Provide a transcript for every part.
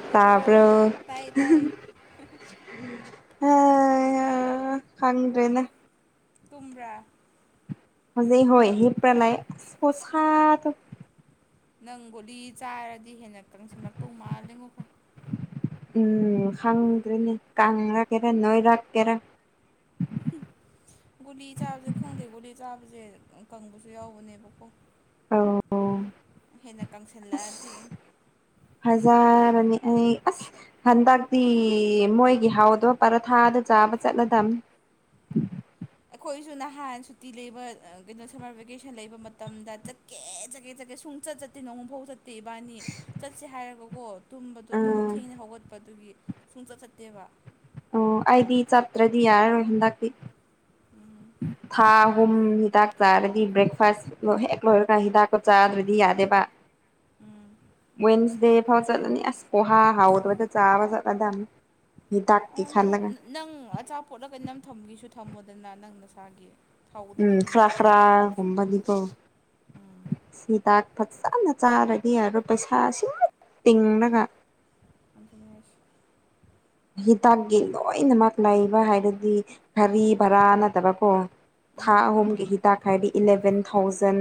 ꯀꯩꯗꯧꯕ꯭ꯔꯣ ꯇꯥꯔꯕ꯭ꯔꯣ ꯇꯥꯏ ꯇꯥꯏ ꯍ ꯈꯪꯗ꯭ꯔꯦꯅꯦ ꯇꯨꯝ꯭ꯔꯥ ꯍꯧꯖꯤꯛ ꯍꯣꯏ ꯍꯤꯞꯄ ꯂꯥꯏ ꯄꯣꯁ ꯅꯪ ꯒꯨꯂꯤ ꯆꯥꯔꯗꯤ ꯍꯦꯟꯅꯛꯇꯪ ꯁꯜꯂꯛꯇꯧ ꯃꯥꯜ ꯂꯦꯡꯉꯣꯈꯩ ꯎꯝ ꯈꯪꯗ꯭ꯔꯅꯦ ꯀ꯭ꯔꯥ ꯀꯦꯔ ꯅꯣꯏꯔꯥꯛ ꯀꯦꯔꯥ ꯒꯨꯂꯤ ꯆꯥꯕꯁꯦ ꯈꯪꯗꯦ ꯒꯨꯂꯤ ꯆꯥꯕꯁꯦ ꯀꯪꯕꯁꯨ ꯌꯥꯎꯕꯅꯦꯕꯀꯣ ꯑꯣ ꯍꯦꯟꯅ ꯑ ꯀꯪꯁꯜꯂꯛꯑꯗꯤ ꯍꯖ ꯅꯤ ꯑꯩ ꯑꯁ ꯍꯟꯗꯛꯇꯤ ꯃꯣꯏꯒꯤ ꯍꯥꯎꯗꯣ ꯄꯔꯊꯥꯗ ꯆꯥꯕ ꯆꯠꯂꯗꯝꯕꯅꯤ ꯎꯝ ꯑꯩꯈꯣꯏꯁꯨ ꯅꯍꯥꯟ ꯁꯨꯇꯤ ꯂꯩꯕ ꯀꯩꯅꯣ ꯁꯝꯃꯔ ꯚꯦꯀꯦꯁꯟ ꯂꯩꯕ ꯃꯇꯝꯗ ꯆꯀꯦ ꯆꯠꯀꯦ ꯁꯨꯡ ꯆꯠ ꯆꯠꯇꯦ ꯅꯣꯡꯉꯨꯐꯥꯎ ꯆꯠꯇꯦ ꯏꯕꯥꯅꯤ ꯆꯠꯁꯦ ꯍꯥꯏꯔꯒ ꯇꯨꯝꯕꯗꯣ ꯑꯗꯨꯝ ꯑꯥ ꯊꯦꯡꯅ ꯍꯧꯒꯠꯄꯗꯨꯒꯤ ꯈꯣꯡꯆꯠ ꯆꯠꯇꯦꯕ ꯑꯣ ꯑꯩꯗꯤ ꯆꯠꯇ꯭ꯔꯗꯤ ꯌꯥꯔꯔꯣꯏ ꯍꯟꯗꯛꯇꯤ ꯎꯝ ꯊꯥ ꯑꯍꯨꯝ ꯍꯤꯗꯥꯛ ꯆꯥꯔꯗꯤ ꯕ꯭ꯔꯦꯛꯐꯥꯁ ꯍꯦꯛ ꯂꯣꯏꯔꯒ ꯍꯤꯗꯥꯛꯀꯣ ꯆꯥꯗ꯭ꯔꯗꯤ ꯌꯥꯗꯦꯕ ꯎꯝ ꯋꯦꯟꯁ ꯗꯦ ꯆꯠꯅꯤ ꯑꯁ ꯄꯣꯍ ꯍꯥꯎꯑꯣꯗ ꯆꯥꯋꯥ ꯆ ꯀꯗꯥ ꯑꯣ ꯅꯪ ꯅꯪ ꯑꯆꯥꯄꯣꯠꯂ ꯀꯩꯅ ꯅꯝ ꯊꯝꯕꯤꯁꯨ ꯊꯝꯃꯣꯗꯅ ꯅꯪ ꯅꯁꯥꯒꯤ ꯍꯧꯗꯕ ꯎꯝ ꯈꯔꯥ ꯅꯨꯃꯤꯠꯇ ꯐꯔꯥ ꯆꯥꯔꯗꯧꯁꯨ ꯀꯨꯝꯕꯗꯤꯀꯣ ꯎꯝ ꯍꯤꯗꯥꯛ ꯐꯖꯅ ꯆꯥꯔꯗꯤ ꯑꯔꯣ ꯄꯩꯁꯥꯁꯤ ꯇꯒ ꯑꯟꯗꯅꯦꯁ ꯍꯤꯇꯥꯛꯀꯤ ꯂꯣꯏꯅꯃꯛ ꯂꯩꯕ ꯍꯥꯏꯔꯗꯤ ꯚꯕꯤ ꯚꯔꯥ ꯅꯠꯇꯕ ꯀꯣ ꯊꯥ ꯎꯝ ꯍꯨꯝꯒꯤ ꯍꯤꯗꯥꯛ ꯍꯥꯏꯗꯤ ꯏꯂꯕꯦꯟ ꯊꯥꯎꯖꯟ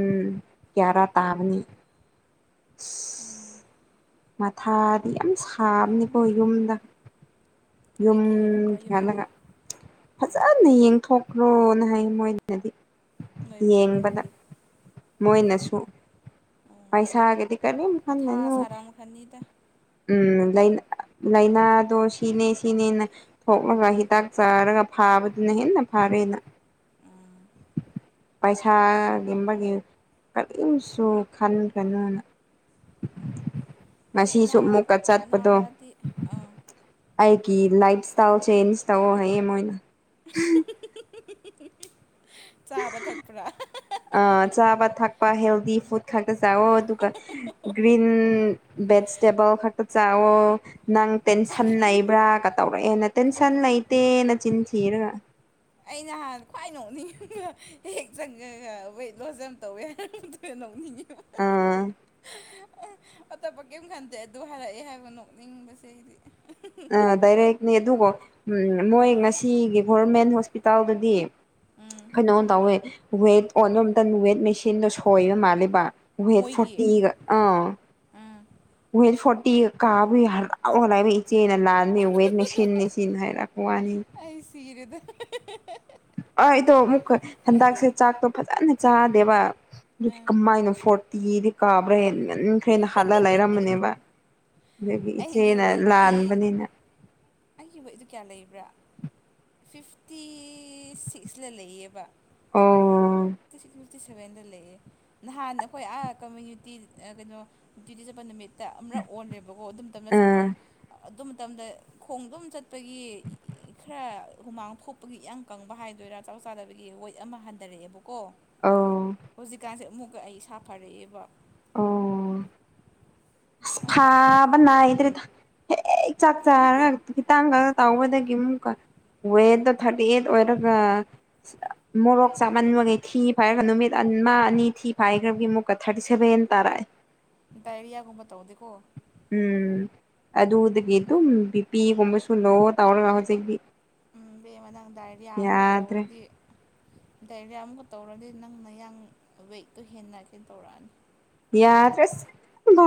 ꯀꯌꯥꯔꯥ ꯇꯥꯕꯅꯤ ꯑꯁ ꯃꯊꯥꯗꯤ ꯌꯥꯝ ꯁꯥꯕꯅꯤꯀꯣ ꯈꯪꯗ꯭ꯔꯦꯗ ꯌꯨꯝꯗ ꯌꯨꯝ ꯀꯩꯒꯤ ꯍꯥꯏꯔꯛꯄ꯭ꯔꯥ ꯌꯨꯝꯗꯗꯤ ꯀꯤꯍꯂꯒ ꯐꯖ ꯀꯟꯅ ꯌꯦꯡꯊꯣꯛꯈ꯭ꯔꯣꯅ ꯍꯥꯏ ꯃꯣꯏꯅꯗꯤ ꯅꯣꯏ ꯕꯣꯛ ꯌꯦꯡꯕꯗ ꯈꯣꯏꯅꯗꯤ ꯃꯣꯏꯅꯁꯨ ꯎꯝ ꯄꯩꯁꯥꯒꯦꯗꯤ ꯀꯔꯤꯝ ꯃꯊꯥ ꯈꯟꯒꯅꯣ ꯁꯥꯔꯝꯈ꯭ꯔꯅꯤꯗ ꯎꯝ ꯅꯩꯅꯥꯗꯣ ꯁꯤ ꯁꯤꯅꯦ ꯁꯤꯅꯦꯅ ꯊꯣꯛꯂꯒ ꯍꯤꯗꯥꯛ ꯆꯥꯔꯒ ꯐꯥꯕꯗꯨꯅ ꯍꯦꯟꯅ ꯐꯥꯔꯦꯅ ꯎꯝ ꯄꯩꯁꯥꯒꯤ ꯃꯒꯤ ꯀꯔꯤꯝꯁꯨ ꯈꯟꯒꯅꯣꯅ [inaudible] ꯎꯝ ꯍꯣꯏ ꯅꯕ ꯅꯥꯔꯥꯗꯤ ꯑꯥ ꯀꯤ ꯂꯥꯏꯐ ꯏꯁꯇꯥꯏꯜꯁꯦ ꯃꯤꯁ ꯇꯧꯋꯣ ꯍꯥꯏꯌꯦ ꯃꯣꯏꯅ ꯆꯥꯕ ꯊꯛꯄ꯭ꯔꯥ ꯑ ꯆꯥꯕ ꯊꯛꯄ ꯍꯦꯜꯗꯤ ꯐꯨꯗ ꯈꯛꯇ ꯆꯥꯎꯋꯣ ꯑꯗꯨꯒ ꯒ꯭ꯔꯤꯟ ꯚꯦꯖꯇꯦꯕꯜ ꯈꯛꯇ ꯆꯥꯛꯋꯣ ꯅꯪ ꯇꯦꯟꯁꯟ ꯂꯩꯕ꯭ꯔꯥꯒ ꯇꯧꯔꯛꯑꯦꯅ ꯇꯦꯟꯁꯟ ꯑꯣ ꯂꯩꯇꯦ ꯅꯆꯤꯟ ꯊꯤꯔꯒ ꯑꯩ ꯅꯍꯥꯟ ꯈ꯭ꯋꯥꯏ ꯅꯣꯛꯅꯤꯡꯉ ꯍꯦꯛ ꯆꯪꯉꯒ ꯋꯦꯠ ꯂꯣꯖꯝ ꯑꯝ ꯇꯧꯋꯦ ꯑꯗꯨ ꯅꯣꯛꯅꯤꯡꯉꯤ ꯑꯥ ꯑꯇꯣꯞꯄ ꯀꯏꯝ ꯈꯟꯗꯦ ꯑꯗꯨ ꯍꯥꯏꯔꯛꯑꯦ ꯍꯥꯏꯕ ꯅꯣꯛꯅꯤꯡꯕꯁꯦ ꯑꯩꯗꯤ ꯑ ꯗꯥꯏꯔꯦꯛꯅꯤ ꯑꯗꯨꯒꯣ ꯎꯝ ꯃꯣꯏ ꯍꯣꯏ ꯉꯁꯤꯒꯤ ꯚꯣꯔꯃꯦꯟ ꯏꯁꯄꯤꯇꯥꯜꯗꯗꯤ ꯎꯝ ꯀꯩꯅꯣ ꯇꯧꯋꯦ ꯋꯦꯠ ꯑꯣꯟꯅꯨꯝꯇꯟ ꯋꯦꯠ ꯃꯦꯁꯤꯟꯗꯣ ꯁꯣꯏꯔ ꯃꯥꯜꯂꯦꯕ ꯋꯦꯠ ꯃꯣꯏꯒꯤ ꯐꯣꯔꯇꯤꯒ ꯑ ꯎꯝ ꯋꯦꯠ ꯐꯣꯔꯠ ꯇꯤ ꯀꯥꯕꯩ ꯍꯔꯥꯎꯂꯥꯏꯃꯤ ꯆꯦꯅ ꯂꯥꯟꯅꯤ ꯋꯦꯠ ꯃꯦꯁꯤꯟꯅꯤ ꯁꯤꯅ ꯍꯥꯏꯔꯛꯄ ꯋꯥꯅꯤ ꯑꯩ [inaudible] ꯑꯥ ꯑꯩꯗꯣ ꯑꯃꯨꯛꯀ ꯍꯟꯗꯛꯁꯦ ꯆꯥꯛꯇꯣ ꯐꯖꯅ ꯆꯥꯗꯦꯕ ꯑꯗꯨ ꯎꯝ ꯀꯃꯥꯏꯅ ꯐꯣ ꯀꯣꯔꯇꯤꯗꯤ ꯀꯥꯕ꯭ꯔꯦ ꯅꯈ꯭ꯔꯦꯅ ꯍꯥꯜꯂ ꯂꯩꯔꯝꯕꯅꯦꯕ ꯑꯗꯒꯤ ꯑꯩꯒꯤ ꯏꯆꯦꯅ ꯋꯦꯠꯇꯤ ꯂꯥꯟꯕꯅꯤꯅ ꯑꯩꯒꯤ ꯋꯦꯠꯗꯨ ꯀꯌꯥ ꯂꯩꯕ꯭ꯔꯥ ꯐꯤꯏꯞꯇꯤ ꯏ ꯁꯤꯛꯁꯂ ꯂꯩꯌꯦꯕ ꯑꯣ ꯐꯤꯇꯤ ꯐꯤꯐꯇꯤ ꯁꯚꯦꯟꯗ ꯂꯩꯑꯦ ꯅꯍꯥꯟ ꯑꯈꯣꯏ ꯑꯥ ꯀꯝꯃꯨꯌꯨꯅꯤꯇꯤ ꯑ ꯀꯩꯅꯣ ꯗ꯭ꯌꯨꯇꯤ ꯆꯠꯄ ꯅꯨꯃꯤꯠ ꯇ ꯑꯃꯔꯛ ꯑꯣꯜꯂꯦꯕꯀꯣ ꯑꯗꯨꯝ ꯇꯝꯗ ꯑꯥ ꯁꯝꯃꯔ ꯑꯗꯨꯝ ꯇꯝꯗ ꯈꯣꯡ ꯑꯗꯨꯝ ꯆꯠꯄꯒꯤ ꯈꯔ ꯍꯨꯃꯥꯡ ꯊꯣꯛꯄꯒꯤ ꯏ ꯀꯪꯕ ꯍꯥꯏꯗꯣꯏꯔꯥ ꯆꯥꯎ ꯆꯥꯗꯕꯒꯤ ꯋꯦꯠ ꯑꯃ ꯍꯟꯗꯔꯛꯑꯦꯕꯛ ꯀꯣ ꯑꯣ ꯍꯧꯖꯤꯛꯀꯥꯟꯁꯦ ꯑꯃꯨꯛꯀ ꯑꯩ ꯐꯁꯥ ꯐꯔꯛꯑꯦꯕ ꯑꯣ ꯆꯥꯕ ꯊꯛꯄ ꯃꯇꯝ ꯇꯧꯕꯒꯤ ꯐꯥꯕꯅꯥꯏꯗ꯭ꯔꯦꯗ ꯍꯦ ꯍꯦꯛ ꯆꯥꯛ ꯆꯥꯔꯒ ꯄꯨꯈꯤꯇꯥꯡꯒ ꯀꯅꯣ ꯇꯎꯕꯗꯒꯤ ꯑꯃꯨꯛꯀ ꯋꯦꯠꯇꯣ ꯊꯥꯔꯇꯤ ꯑꯦꯠ ꯑꯣꯏꯔꯒ ꯃꯣꯔꯣꯛ ꯆꯥꯃꯟꯕꯒꯤ ꯊꯤ ꯐꯥꯏꯔꯒ ꯅꯨꯃꯤꯠ ꯑꯟ ꯃꯥ ꯑꯅꯤ ꯊꯤ ꯐꯥꯏꯈ꯭ꯔꯕꯒꯤ ꯑꯃꯨꯛꯀ ꯊꯥꯔꯇꯤ ꯁꯚꯦꯟ ꯇꯥꯔꯑꯦ ꯗꯥꯏꯔꯤꯌꯥꯒꯨꯝꯕ ꯇꯧꯗꯦꯀꯣ ꯎꯝ ꯑꯗꯨꯗꯒꯤ ꯑꯗꯨꯝ ꯕꯤ ꯄꯤ ꯒꯨꯝꯕꯁꯨ ꯂꯣ ꯇꯔꯒ ꯍꯣꯖꯤꯛꯗꯤ ꯎꯝ ꯕꯦꯃ ꯅꯪ ꯗꯥꯏꯔꯤꯌꯥ ꯑꯃꯨꯛꯀ ꯇꯧꯔꯗꯤ ꯗꯥꯏꯔꯤꯌꯥ ꯑꯃꯨꯛꯀ ꯇꯧꯔꯗꯤ ꯅꯪ ꯅꯌꯥꯡ ꯋꯦꯠꯇꯣ ꯍꯦꯟꯅ ꯀꯦꯟ ꯇꯧꯔꯛꯑꯅꯤ ꯌꯥꯗꯔꯦ ꯑꯁ ꯏꯡꯕ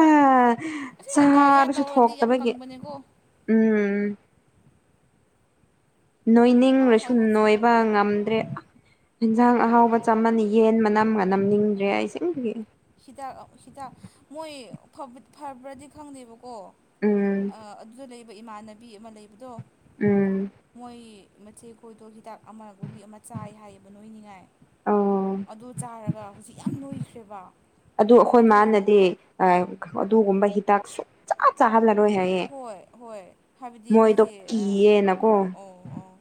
ꯑꯁꯦꯡꯕ ꯗꯥꯏꯔꯤꯌꯥ ꯆꯥꯔꯁꯨ ꯇꯧꯔꯗꯤ ꯌꯥꯝ ꯊꯣꯛꯇꯕꯒꯤ ꯀꯪꯕꯅꯦꯀꯣ ꯎꯝ ꯍꯥꯎ ꯅꯣꯏꯅꯤꯡꯔꯁꯨ ꯍꯥꯎꯕ ꯆꯥꯔꯣ ꯅꯣꯏꯕ ꯉꯝꯗ꯭ꯔꯦ ꯍꯤꯟꯖꯥꯡ ꯑꯍꯥꯎꯕ ꯆꯥꯃꯟꯅꯦ ꯌꯦꯟ ꯃꯅꯝꯒ ꯅꯝꯅꯤꯡꯗ꯭ꯔꯦ ꯑꯩꯁꯦꯡꯕꯒꯤ ꯍꯤꯗꯥꯛ ꯍꯤꯗꯥꯛ ꯃꯣꯏ ꯐꯕꯨꯠ ꯐꯕ꯭ꯔꯗꯤ ꯈꯪꯗꯦꯕꯛ ꯑꯣ ꯎꯝ ꯑꯗꯨꯗ ꯂꯩꯕ ꯏꯃꯥꯟꯅꯕꯤ ꯑꯃ ꯂꯩꯕꯗꯣ ꯎꯝ ꯃꯣꯏ ꯃꯆꯦ ꯈꯣꯏꯗꯣ ꯍꯤꯗꯥꯛ ꯑꯃ ꯒꯨꯂꯤ ꯑꯃ ꯆꯥꯏ ꯍꯥꯏꯌꯦꯕ ꯅꯣꯏꯅꯤꯉꯥꯏ ꯑꯣ ꯑꯗꯨ ꯆꯥꯔꯒ ꯍꯧꯖꯤꯛ ꯌꯥꯝ ꯅꯣꯏꯈ꯭ꯔꯦꯕ ꯑꯗꯨ ꯑꯩꯈꯣꯏ ꯃꯥꯅꯗꯤ ꯑꯗꯨꯒꯨꯝꯕ ꯍꯤꯗꯥꯛ ꯁꯨꯡꯆꯥꯥ ꯆꯥꯍꯜꯂꯒ ꯍꯣꯏ ꯍꯣꯏ ꯍꯥꯏꯕꯗꯤ ꯃꯣꯏꯗꯣ ꯃꯤꯁꯦ ꯀꯤꯌꯦꯅꯀꯣ ꯑꯣ ꯑꯣ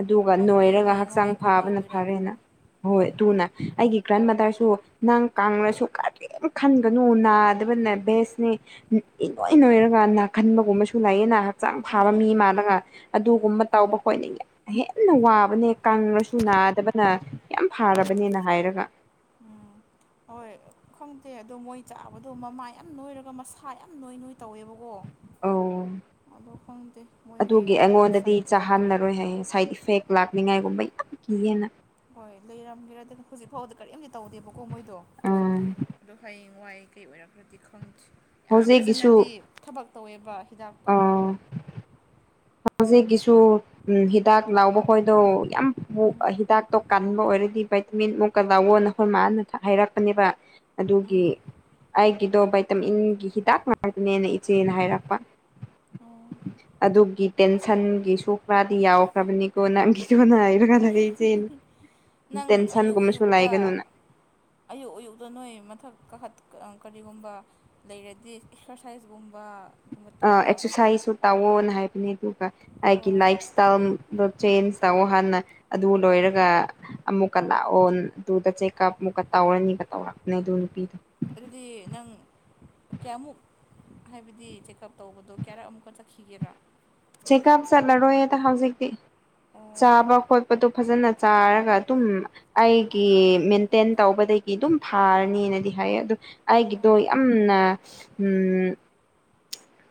ꯑꯗꯨꯒ ꯍꯥꯏꯕꯗꯤ ꯅꯣꯏꯔꯒ ꯍꯛꯆꯥꯡ ꯍꯌꯦꯡꯋꯥꯏ ꯀꯔꯤ ꯐꯥꯕꯅ ꯐꯔꯦꯅ ꯑꯣꯏꯔꯛꯀꯦꯔꯥ ꯎꯝ ꯍꯣꯏ ꯑꯗꯨꯅ ꯑꯩꯒꯤ ꯒ꯭ꯔꯥꯟ ꯃꯥꯗꯔꯁꯨ ꯅꯪ ꯀꯥꯡꯉꯁꯨ ꯀꯔꯤꯝ ꯈꯟꯒꯅꯨ ꯅꯥꯗꯕꯅꯦ ꯕꯦꯁꯅꯦ ꯏꯅꯣꯏ ꯅꯣꯏꯔꯒ ꯈꯟꯕꯒꯨꯝꯕꯁꯨ ꯂꯩꯌꯦꯅ ꯍꯛꯆꯥꯡ ꯎꯝ ꯐꯥꯕ ꯃꯤ ꯎꯝ ꯃꯥꯜꯂꯒ ꯎꯝ ꯑꯗꯨꯒꯨꯝꯕ ꯇꯧꯕ ꯈꯣꯏꯅ ꯍꯦꯟꯅ ꯋꯥꯕꯅꯦ ꯀꯪꯂꯉꯁꯨ ꯅꯥꯗꯕꯅ ꯌꯥꯝ ꯐꯔꯕꯅꯦꯅ ꯍꯥꯏꯔꯒ ꯍꯣꯏ ꯈꯪꯗꯦ ꯑꯗꯣ ꯃꯣꯏ ꯆꯥꯕꯗꯣ ꯃꯃꯥ ꯌꯥꯝ ꯅꯣꯏꯔꯒ ꯃꯁꯥ ꯌꯥꯝ ꯅꯣꯏ ꯅꯣꯏ ꯇꯧꯋꯦꯕꯀꯣ ꯑꯧ ꯑꯗꯣ ꯈꯪꯗꯦ ꯃꯣꯏ ꯑꯗꯨꯒꯤ ꯍꯌꯦꯡꯋꯥꯏ ꯑꯩꯉꯣꯟꯗꯗꯤ ꯁꯥꯏꯠ ꯏꯐꯦꯛ ꯆꯥꯍꯜꯂꯔꯣꯏ ꯍꯥꯏꯌꯦ ꯁꯥꯏꯠ ꯏꯐꯦꯛ ꯂꯥꯛꯅꯤꯡꯉꯥꯏꯒꯨꯝꯕ ꯀꯤꯌꯦꯅ ꯍꯣꯏ ꯂꯩꯔꯝꯒꯦꯔꯥꯗꯅ ꯍꯧꯖꯤꯛ ꯐꯥꯎꯕꯗ ꯀꯔꯤꯝꯇ ꯇꯧꯗꯦꯕꯀꯣ ꯃꯣꯏꯗꯣ ꯎꯝ ꯑꯗꯣ ꯍꯌꯦꯡ ꯋꯥꯏ ꯀꯩ ꯑꯣꯏꯔꯛꯈ꯭ꯔꯗꯤ ꯈꯪꯗꯦ ꯌꯥꯝ ꯍꯧꯖꯤꯛꯀꯤꯁꯨ ꯐꯖꯅꯗꯤ ꯊꯕꯛ ꯇꯧꯋꯦꯕ ꯍꯤꯗꯥꯛꯇꯣ ꯑꯥ ꯍꯧꯖꯤꯛꯀꯤꯁꯨ ꯎ ꯍꯤꯗꯥꯛ ꯂꯥꯎꯕ ꯈꯣꯏꯗꯣ ꯌꯥꯝ ꯎꯝ ꯍꯤꯗꯥꯛꯇꯣ ꯀ ꯀꯥꯟꯕ ꯑꯣꯏꯔꯗꯤ ꯚꯥꯏꯇꯃꯤꯟ ꯑꯃꯨꯛꯀ ꯂꯥꯛꯑꯣ ꯅ ꯑꯩꯈꯣꯏ ꯃꯥꯅ ꯍꯥꯏꯔꯛꯄꯅꯦꯕ ꯑꯗꯨꯒꯤ ꯎꯝ ꯑꯩꯒꯤꯗꯣ ꯕꯥꯩꯇꯝ ꯏꯟꯒꯤ ꯍꯤꯗꯥꯛ ꯃꯔꯛꯇꯅꯦꯅ ꯏꯆꯦꯅ ꯍꯥꯏꯔꯛꯄ ꯑꯣ ꯑꯗꯨꯒꯤ ꯇꯦꯟꯁꯟꯒꯤꯁꯨ ꯈꯔꯗꯤ ꯌꯥꯎꯈ꯭ꯔꯕꯅꯤꯀꯣ ꯅꯪꯒꯤꯅ ꯍꯥꯏꯔꯒ ꯂꯩ ꯅꯪ ꯑꯌꯨꯛ ꯇꯦꯟꯁꯟꯒꯨꯝꯕꯁꯨ ꯑꯌꯨꯛꯇ ꯂꯥꯏꯒꯅꯨꯅ ꯑꯌꯨꯛ ꯑꯌꯨꯛꯇ ꯅꯣꯏ ꯃꯊꯛ ꯀꯥꯈꯠ ꯀꯔꯤꯒꯨꯝꯕ ꯂꯩꯔꯗꯤ ꯑꯦꯛꯁꯔꯁꯥꯏꯁꯀꯨꯝꯕꯨꯝꯕ ꯑꯦꯛꯁꯔꯁꯥꯏꯖꯁꯨ ꯇꯧꯋꯣꯅ ꯍꯥꯏꯕꯅꯤ ꯑꯗꯨꯒ ꯑꯩꯒꯤ ꯍꯣꯏ ꯂꯥꯏꯐ ꯏꯁꯇꯥꯏꯜꯗ ꯆꯦꯟꯖ ꯇꯧꯋ ꯍꯥꯟꯅ ꯑꯗꯨ ꯂꯣꯏꯔꯒ ꯑꯃꯨꯛꯀ ꯂꯥꯛꯑꯣ ꯑꯗꯨꯗ ꯆꯦꯛꯑꯞ ꯑꯃꯨꯛꯀ ꯇꯧꯔꯅꯤꯒ ꯇꯧꯔꯛꯅꯤ ꯑꯗꯨ ꯅꯨꯄꯤꯗ [inaudible] ꯑꯗꯨꯗꯤ ꯅꯪ ꯀꯌꯥꯃꯨꯛ ꯍꯥꯏꯕꯗꯤ ꯆꯦꯛꯑꯞ ꯇꯧꯕꯗꯣ ꯀꯌꯥꯔꯛ ꯑꯃꯨꯛꯀ ꯆꯠꯈꯤꯒꯦꯔꯥ ꯆꯦꯛꯑꯞ ꯆꯠꯂꯔꯣꯏꯗ ꯍꯧꯖꯤꯛꯇꯤ ꯑꯣ ꯆꯥꯕ ꯈꯣꯠꯄꯗꯣ ꯐꯖꯅ ꯆꯥꯔꯒ ꯑꯗꯨꯝ ꯑꯩꯒꯤ ꯃꯦꯟꯇꯦꯟ ꯇꯧꯕꯗꯒꯤ ꯑꯗꯨꯝ ꯐꯥꯔꯅꯤꯅꯗꯤ ꯍꯥꯏꯌꯦ ꯑꯗꯨ ꯑꯩꯒꯤꯗꯣ ꯑꯣ ꯌꯥꯝꯅ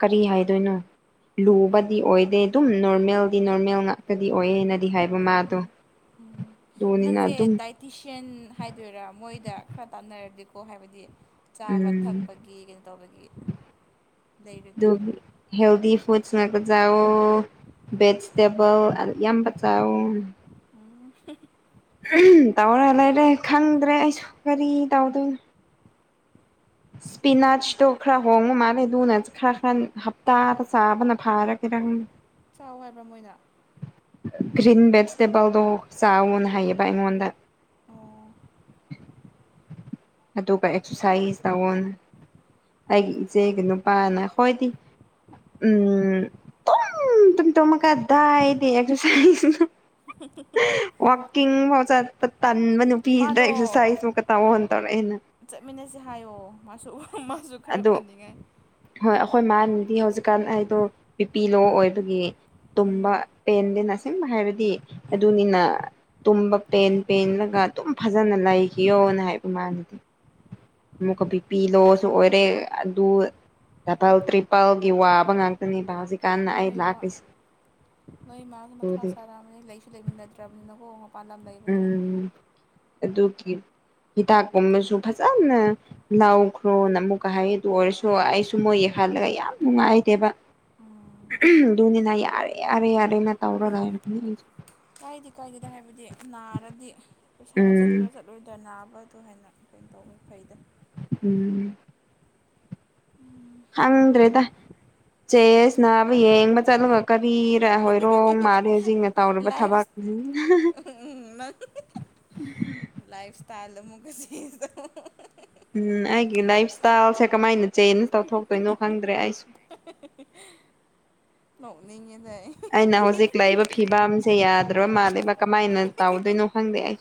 ꯀꯔꯤ ꯍꯥꯏꯗꯣꯏꯅꯣ ꯂꯨꯕꯗꯤ ꯑꯣꯏꯗꯦ ꯑꯗꯨꯝ ꯅꯣꯔꯃꯦꯜꯗꯤ ꯅꯣꯔꯃꯦꯜ ꯉꯥꯛꯇꯗꯤ ꯑꯣꯏꯌꯦꯅꯗꯤ ꯍꯥꯏꯕ ꯃꯥꯗꯣ ꯎꯝ [inaudible] ꯎꯝ ꯑꯗꯨꯅꯤꯅ ꯅꯪꯁꯦ ꯑꯗꯨꯝ ꯗꯥꯏꯇꯤꯁꯤꯌꯥꯟ ꯍꯥꯏꯗꯣꯏꯔꯥ ꯃꯣꯏꯗ ꯈꯔ ꯇꯥꯟꯅꯔꯗꯤꯀꯣ ꯍꯥꯏꯕꯗꯤ ꯆꯥꯕ ꯎꯝ ꯊꯛꯄꯒꯤ ꯀꯩꯅꯣ ꯇꯧꯕꯒꯤ ꯂꯩꯔꯗꯤ ꯍꯦꯜꯗꯤ ꯐꯨꯗꯁ ꯅꯀ ꯆꯥꯎꯑꯣ ꯕꯦꯁ ꯇꯦꯕꯜ ꯌꯥꯝꯕ ꯆꯥ ꯍ ꯇꯧꯔꯦ ꯂꯩꯔꯦ ꯈꯪꯗ꯭ꯔꯦ ꯑꯩꯁꯨ ꯀꯔꯤ ꯇꯧꯗꯣꯏꯅꯣ ꯏꯁꯄꯤꯅꯥꯁꯇꯣ ꯈꯔ ꯍꯣꯡꯉꯨ ꯃꯥꯜꯂꯦ ꯑꯗꯨꯅ ꯈꯔ ꯈꯔ ꯍꯞꯇꯥꯗ ꯆꯥꯕꯅ ꯐꯥꯔ ꯏꯔꯥꯡ ꯆꯥꯎ ꯍꯥꯏꯕ꯭ꯔꯥ ꯃꯣꯏꯅ ꯒ꯭ꯔꯤꯟ ꯚꯦꯖꯤꯇꯦꯕꯜꯗꯣ ꯆꯥꯑꯣꯅ ꯍꯥꯏꯌꯦ ꯕ ꯑꯩꯉꯣꯟꯗ ꯑꯣ ꯑꯗꯨꯒ ꯑꯦꯛꯁꯔꯁꯥꯏꯁ ꯇꯥꯋꯟ ꯑꯩꯒꯤ ꯏꯆꯦꯒꯤ ꯅꯨꯄꯥꯅ ꯍꯣꯏꯗꯤ ꯎꯝ ꯇꯨꯝ ꯇꯨꯝ ꯇꯨꯃꯒ ꯗꯥꯏꯗꯤ ꯑꯦꯔꯥꯏ ꯋꯥꯀꯤ ꯄꯥꯎ ꯆꯠꯄ ꯇ ꯇꯟꯕ ꯅꯨꯄꯤꯗ ꯃꯥꯗꯣ ꯑꯦꯛꯁꯔꯁꯥꯢꯖ ꯃꯨꯀ ꯇꯧꯅ ꯇꯧꯔꯦꯅ ꯆꯠꯃꯤꯟꯅꯁꯦ ꯍꯥꯏꯌꯣ ꯃꯥꯁꯨ ꯃꯥꯁꯨ ꯈꯔ ꯐꯅꯤ ꯉꯥꯏ ꯍꯣꯏ ꯃꯥꯗꯤ ꯍꯧꯖꯤꯛꯀꯥꯟ ꯑꯩꯗꯣ ꯕꯤꯄꯤ- ꯂꯣ ꯑꯣꯏꯕꯒꯤ ꯎꯝ ꯇꯨꯝꯕ ꯄꯦꯟꯗꯦꯅ ꯑꯁ‌ꯦꯡꯕ ꯍꯥꯏꯔꯗꯤ ꯎꯝ ꯑꯗꯨꯅꯤꯅ ꯇꯨꯝꯕ ꯄꯦꯟ ꯄꯦꯟꯂꯒ ꯑꯗꯨꯝ ꯐꯖꯅ ꯂꯩꯈꯤꯌꯣꯅ ꯍꯥꯏꯕ ꯃꯅꯗ ꯑꯃꯨꯛꯀ ꯄꯤꯄꯤ ꯂꯣ ꯑꯣꯏꯔꯦ ꯑꯗꯨ ꯗꯕꯜ ꯇ꯭ꯔꯤꯄꯜꯒꯤ ꯋꯥꯕ ꯉꯥꯛꯇꯅꯦꯕ ꯍꯧꯖꯤꯛꯀꯥꯟꯅ ꯑꯩ ꯂꯩꯕ ꯂꯥꯛꯂꯤꯁꯤ꯫ ꯅꯣꯏ ꯃꯥꯒꯤ ꯃꯊꯥ ꯁꫪꯝꯅꯤ ꯂꯩꯁꯨ ꯂꯩꯃꯤꯟꯅꯗ꯭ꯔꯕꯅꯤꯅꯀꯣ ꯃꯄꯥꯟ ꯂꯝ ꯂꯩꯕꯅꯤꯅ ꯑꯗꯨ ꯀꯤ ꯍꯤꯗꯥꯛ ꯀꯨꯝꯕꯁꯨ ꯐꯖꯅ ꯂꯧꯈ꯭ꯔꯣꯅ ꯑꯃꯨꯛꯀ ꯍꯥꯏ ꯑꯗꯨ ꯑꯣꯏꯔꯁ ꯑꯩꯁꯨ ꯃꯣꯏ ꯈꯜꯂꯒ ꯌꯥꯝ ꯅꯨꯡꯉꯥꯏꯇꯦꯕ꯫ ꯎꯝ ꯗꯨꯒꯤꯅ ꯌꯥꯔꯦ ꯌꯥꯔꯦ ꯌꯥꯔꯦꯅ ꯇꯧꫪꯒꯊꯥꯏꯅ ꯏꯩꯁꯨ ꯀꯥꯏꯗ ꯀꯥꯏꯗꯦꯗ ꯍꯥꯏꯕꯗꯤ ꯅꯥꯔꯗꯤ ꯄꯩꯁꯥ ꯎꯝ ꯆꯠꯄ꯭ꯔꯥ ꯆꯠꯂꯣꯏꯗ꯭ꯔ ꯅꯥꯕ ꯑꯗꯨ ꯍꯥꯏꯅ ꯀꯩꯅ ꯇꯧꯋꯤ ꯐꯩꯗ ꯑꯝ ꯍꯪꯗꯔꯦꯗ ꯆꯦꯁ ꯅꯥꯕ ꯌꯦꯡꯕꯥ ꯆꯠꯂꯨꯒ ꯀꯔꯤꯔ ꯍꯣꯏꯔꯣꯡ ꯃꯥꯂꯦ ꯍꯧꯖꯤꯛ‌꯫ ꯂꯥꯐꯁ ꯑꯎꯃ ꯅ‌ꯪ ꯂꯥꯐꯁ ꯇꯥꯥꯏꯜ ꯑꯃꯨꯒ ꯆ‌ꯦꯜ ꯇꯧ ꯎꯝ ꯑꯩꯒꯤ ꯂꯥꯏꯞ ꯏꯁꯇꯥꯏꯜꯁꯦ ꯀꯃꯥꯏꯅ ꯆꯦꯟꯖ ꯇꯧꯊꯣꯛꯇꯣꯏꯅꯣ ꯈꯪꯗ꯭ꯔꯦ ꯑꯩꯁꯨ꯫ [inaudible] ꯅꫭꯛꯅꯤꯡꯉ‌ꯦ ꯑꯩꯅ ꯍꯧꯖꯤꯛ ꯂꯩꯔꯤꯕꯏꯕ ꯐꯤꯕꯝꯁꯦ ꯌꯥꯗ꯭ꯔꯕ ꯃꯥꯜꯂꯤꯦꯕ ꯀꯃꯥꯏꯅ ꯇꯧꯗꯣꯏꯅꯣ ꯈꯪꯗꯦ ꯑꯩ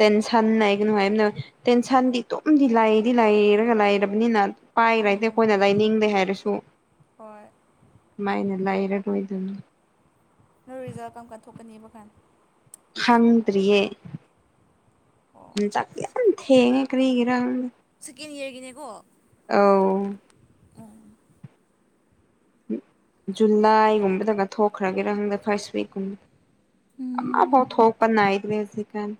ꯇꯦꯟꯁꯟ ꯂꯩꯏꯒꯅꯣ ꯍꯥꯏꯕꯅꯦ ꯇꯦꯟꯁꯟꯗꯤ ꯇꯝꯗꯤ ꯂꯥꯏꯗꯤ ꯂꯥꯏꯔꯒ ꯂꯥꯏꯔꯕꯅꯤꯅ ꯄꯥꯏꯔꯇꯦ ꯎꯝ ꯑꯩꯈꯣꯏꯅ ꯂꯩꯅꯤꯡꯗꯦ ꯍꯥꯏꯔꯁꯨ꯫ ꯍꯣꯏ꯫ ꯃꯥꯏꯅ ꯂꯩꫪ ꫪꫭꯏꯗꯨꯅ꯫ ꯅꯣꯏ ꯔꯤꯖꯜꯠ ꯀꯝ ꯀꯟ ꯊꯣꯛꯀꯅꯦꯕ ꯀꯥꯟ ꯍꯪꯗ꯭ꯔꯤꯌꯦ ꯑꯣ ꯌꯥꯝ ꯍꯦꯡꯉ‌ꯦ ꯀꯔꯤꯒꯔꯥ ꯁꯦꯀꯦꯟ ꯏꯌꯥꯔꯒꯤ ꯅꯦꯀꯣ꯫ ꯑꯧ ꯎꯝ ꯖꯨꯂꯥꯏ ꯒꯨꯝꯕꯗꯒ ꯊꯣꯛꯈ꯭ꯔꯒꯦꯔ ꯍꯪꯗ ꯐꯥꯔꯁ ꯋꯤꯛꯀꯨꯝꯕꯗ꯫ ꯑꯃꯐ‌ꯎ ꯍꯣꯛꯄ ꯅꯥꯏꯗꫪ‌ꯦ ꯍꯪꯧꯖꯤꯀꯟ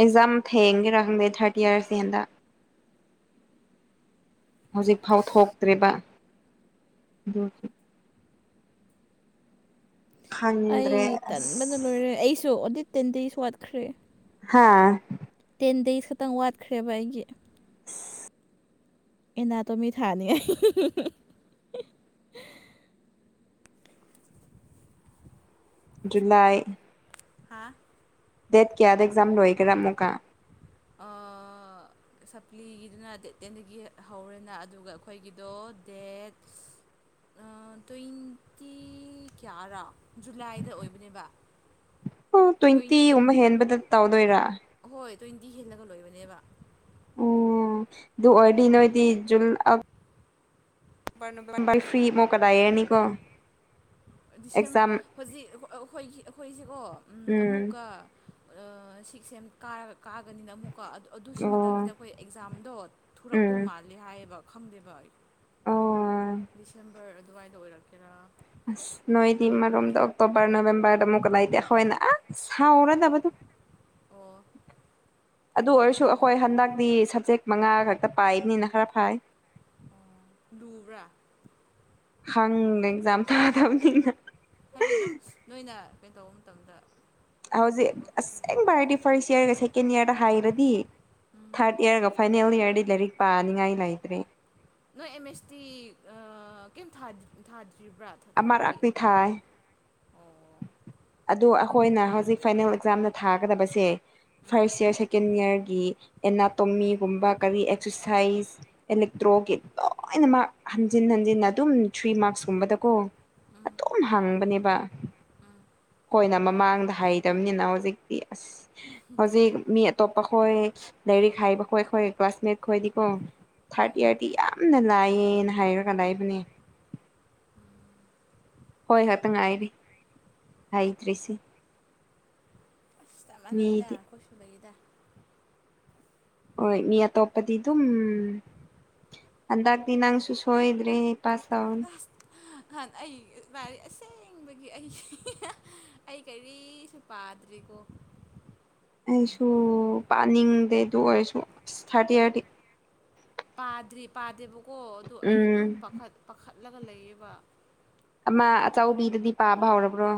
ꯑꯦꯛꯖꯥꯝ ꯊꯦꯡꯒꯦꯔꯥ ꯈꯪꯗꯦ ꯊꯥꯔꯇꯌꯥꯔꯁ‌ꯦ ꯍꯟꯗꯛ ꯍꯧꯖꯤꯛ ꯐꯥꯎ ꯊꯣꯛꯇꯔ‌ꯦꯕ ꯑꯗꫭꯁꯨ ꯑꯩ ꯈꯪꯗ꯭ꯔꯦ ꯇꯟꯕꯅ ꯑꯁ ꯂꯣꯏꯔꯦ ꯑꯩꯁꯨ ꯑꯣꯗꯤꯠ ꯇꯦꯟ ꯗꯦꯖ ꯋꯥꯠꯈ꯭ꯔꯦ꯫ ꯍꯥ! ꯇꯦꯟ ꯗꯦꯖ ꯈꯛꯇꯪ ꯋꯠꯈ꯭ꯔꯦꯕ ꯑꯩꯒꯤ ꯑ‌ꯦꯏꯅꯥꯇꫭꯃꯤ ꯁꯅꯥ ꯊꯥꯏ ꯖꯨꯂꯥꯏ꯫ ꯍꯥꯥ! ꯗꯦꯠ ꯀ꯭ꯌꯥꯗ ꯑꯦꯛꯖꯥꯝ ꯂꯣꯏꯒꫪ ꯑꯃꯨꯀ ꯑꯥ..... [inaudible] ꯁꯄꯂꯤꯒꯤꯗꯨꯅ ꯗꯦꯠ ꯇꯦꯟꯗꯒꯤ ꯍꯧꯔꯦꯅ ꯑꯗꯨꯒ ꯑꯩꯈꯣꯏꯒꯤꯗꯣ ꯗꯦꯠ..... ꯁ ꯑ ꯇ꯭ꯋꯦꯟꯇꯤ ꯀꯌꫪꯥ ꯑꯥ ꯇ꯭ꯋꯦꯟꯇꯤꯒꯨꯝꯕ ꯍꯦꯟꯕꯗ ꯇꯧꯗꯣꯏꯔ꯫ ꯍꯣꯏ ꯇ꯭ꯋꯦꯟꯇꯤ ꯍꯜꯂꯒ ꯂꯣꯏꯕꯅꯦꯕ꯫ ꯑꫭ ꯑꯗꯨ ꯑꯣꯏꯗꯤ ꯅꯣꯏꯗꯤ ꯖꯨꯂ ꯑꯞ ꯃꯨꯝꯕꯥꯏ ꯐ꯭ꯔꯤ ꯃꯧꯀꯥꯗꯥꯏꯌꯦꯔꯅꯤꯀꯣ [unintelligible] ꯗꯤꯁꯦꯝ ꯍꯧꯖꯤꯛ ꯑꯩ ꯑꯩꯈꯣꯏꯒꯤ ꯑꯩꯈꯣꯏꯁꯤꯀꯣ ꯎꯝ ꯑꯃꯨꯛꯀ ꯁꯤꯁꯦꯦꯝ ꯀꯥꯔꯛ ꯀꯥꯒꯅꯤꯅ ꯑꯃꯨꯛꯀ ꯑꯗꯨ ꯁꯤ ꯑꯣ ꯃꯇꯝꯁꯤꯗ ꯑꯩꯈꯣꯏ ꯑꯦꯛꯖꯥꯝꯗꯣ ꯊꯨꯔꯛꯇꯧ ꯎꯝ ꯃꯥꯜꯂꯦ ꯍꯥꯏꯌꯦꯕ ꯈꯪꯗꯦꯕ ꯑꯩ ꯑꯣ ꯗꯤꯁꯦꯝꯕꯔ ꯑꯗꯨꯋꯥꯏꯗ ꯑꯣꯏꯔꯛꯀꯦꯔꯥ ꯑ ꯅꯣꯏꯗꯤꯝ ꯃꯔꯣ ꯑꯣꯀꯛꯇꯣꯕꯔ ꯅꯕꯦꯝꯕꯔꯗ ꯃꯨ ꯑꯣꯥꯏ ꯏꯗ ꯍꯅ ꯑ ꯆꯥꯎꯔ ꯇꯗꯨꯣ ꯑꯣ ꯊꯥꯔꯠ ꯑꯗꯨ ꯑꯣꯏꯔꯁꯨ ꯏꯌꯥꯔꯒꯤꯀꯣ ꯑꯩꯈꯣꯏ ꯍꯟꯗꯛꯇꯤ ꯁꯞꯖꯦꯛ ꯃꯉꯥ ꯈꯛꯇ ꯄꯥꯏꯕꯅꯤꯅ ꯈꯔ ꯐꯥꯏ ꯗꯕ꯭ꯔ ꯈꯪꯗꯖꯝ ꯊꯥ ꯊꯕ ꯊꯅ ꯀꯩꯅ ꯇꯧꯕ ꯃꯇꯝꯗ ꯍꯧꯖꯤꯛ ꯎꯕ ꯈꯣꯠꯄ ꯑꯁꯦꯡꯕ ꯍꯥꯏꯔꯗꯤ ꯐꯥꯔꯁ ꯏꯌꯥꯔꯒ ꯁꯦꯀꯦꯟ ꯏꯌꯥꯔꯒ ꯍꯥꯏꯔꯗꯤ ꯎꯝ ꯊꯥꯔꯠ ꯏꯌꯥꯔꯒ ꯐꯥꯏꯅꯦꯜ ꯏꯔꯗꯤ ꯂꯥꯏꯔꯤꯛ ꯄꯥꯅꯤꯡꯉꯥꯏ ꯂꯩꯇ꯭ꯔꯦ ꯅꯣꯏ ꯑꯦꯃꯦꯁꯇꯤ ꯑ ꯀ ꯊꯥꯖ ꯊꯥꯖ ꯑꯃꯔꯅꯤ ꯊꯥꯏ ꯑꯣ ꯑꯗꯨ ꯑꯩꯈꯣꯏꯅ ꯍꯧꯖꯤꯛ ꯐꯥꯏꯅꯦꯜ ꯑꯦꯛꯖꯥꯝꯅ ꯊꯥꯒꯗꯕꯁꯦ ꯎꯝ ꯐꯥꯔꯁ ꯏꯔ ꯁꯦꯀꯦꯟ ꯏꯌꯥꯔꯒꯤ ꯑꯦꯅꯥꯇꯣꯃꯤꯒꯨꯝꯕ ꯀꯔꯤ ꯑꯦꯛꯁꯔꯁꯥꯏꯁ ꯑꯦꯂꯦꯛꯇ꯭ꯔꯣ ꯑꯣꯦ ꯂꯣꯏꯅ ꯃꯥ ꯍꯟꯖꯤꯟ ꯍꯟꯖꯤꯟ ꯑꯗꯨꯝ ꯊ꯭ꯔꯤ ꯃꯥꯔꯛꯁꯀꯨꯝꯕꯗꯀꯣ ꯎꯝ ꯑꯗꯨꯝ ꯍꯥꯡꯕꯅꯦꯕ ꯎꯝ ꯍꯣꯏꯅ ꯃꯃꯥꯡꯗ ꯍꯥꯏꯩꯗꯕꯅꯤꯅ ꯍꯧꯖꯤꯛꯇꯤ ꯑꯁ ꯍꯧꯖꯤꯛ ꯃꯤ ꯑꯇꯣꯞꯄ ꯈꯣꯏ ꯂꯥꯏꯔꯤꯛ ꯍꯥꯏꯕ ꯈꯣꯏꯈꯣꯏ ꯀ꯭ꯂꯥꯁꯃꯦꯠ ꯈꯣꯏꯗꯤꯀꯣ ꯊꯥꯔꯠ ꯎꯝ ꯏꯌꯥꯔꯗꯤ ꯌꯥꯝꯅ ꯂꯥꯏꯑꯅ ꯍꯥꯏꯔꯒ ꯂꯥꯛꯕꯅꯦ ꯍꯣꯏ ꯈꯇꯪ ꯉꯥꯏꯔꯤꯦ ꯍꯥꯏꯩꯗ꯭ꯔꯤꯁꯤ ꯑꯁ ꯇꯞꯅꯗ ꯑꯩꯈꯣꯏ ꯁꯨꯕꯩꯗ ꯍ ꯃꯤ ꯑꯇꯣꯞꯄꯗꯤ ꯑꯗꯨꯝ ꯑꯗꯒꯗꯤꯟꯪꯁꯨꯨꯁ ꯍꯣꯏꯗ꯭ꯔꯤ ꯄꯥꯁꯑꯥꯎꯟ ꯥꯟ ꯑꯩ ꯂꯔꯤꯛ ꯑꯁꯦꯡꯕꯒꯤ ꯑꯩꯁꯦ ꯑꯩ ꯀꯔꯤꯁꯨ ꯄꯥꯗ꯭ꯔꯦ ꯇꯀꯣ [unintelligible] ꯑꯩꯁꯨ ꯄꯥꯅꯤꯡꯗꯦ ꯑꯗꯨ ꯑꯣꯏꯔꯁꯨ ꯑꯁ ꯊꯥꯔꯇꯤ ꯌꯥꯥꯔꯇꯤ ꯄꯥꯗ꯭ꯔꯤ ꯄꯥꯗꯦꯕꯀꯣ ꯑꯗꯨ ꯑꯩ ꯎꯝ ꯑꯗꯨꯝ ꯄꯥꯈꯠꯂꯒ ꯂꯩꯌꯦꯕ ꯃꯥ ꯑꯆꯤꯗꯗꯤ ꯄꯥꯕ ꯍꯧꯔꯕ꯭ꯔꯣ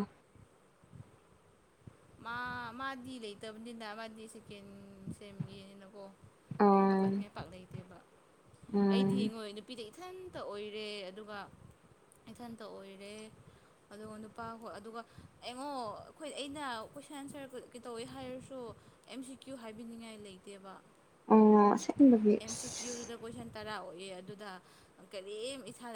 ꯃꯥꯗꯤ ꯂꯩꯇꯕꯅꯤꯅ ꯃꯥꯗꯤ ꯁꯦꯀꯦꯟ ꯁꯦꯝꯒꯤꯅꯤꯅꯀꯣ ꯀꯩ ꯑꯣ ꯄꯥꯈꯠꯅꯤꯡꯉꯥꯏ ꯄꯥꯛ ꯂꯩꯇꯦꯕ ꯑꯩꯗꯤ ꯎꯝ ꯌꯦꯡꯉꯣꯏ ꯅꯨꯄꯤꯗ ꯏꯊꯟꯇ ꯑꯣꯏꯔꯦ ꯑꯗꯨꯒ ꯏꯊꯟꯇ ꯑꯣꯏꯔꯦ ꯑꯗꯨꯒ ꯅꯨꯄꯥꯈꯣꯏ ꯑꯗꯨꯒ ꯑꯩꯡꯉꯣ ꯑꯩꯈꯣꯏ ꯑꯩꯅ ꯀꯣꯏꯁꯟ ꯑꯟꯁꯔ ꯀꯩꯇꯧꯋꯦ ꯍꯥꯏꯔꯁꯨ ꯑꯦꯝ ꯁꯤ ꯀ꯭ꯌꯨ ꯍꯥꯏꯕꯤꯅꯤꯡꯉꯥꯏ ꯂꯩꯇꯦꯕ ꯑꯣ ꯁꯤ ꯑꯦꯝ ꯁꯤ ꯀ꯭ꯌꯨꯗꯨꯗ ꯀꯣꯏꯁꯟ ꯇꯔꯥ ꯑꯣꯑ ꯑꯗꯨꯗ ꯀꯔꯤꯝ ꯏꯁꯥꯗ